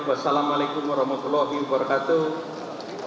wassalamualaikum warahmatullahi wabarakatuh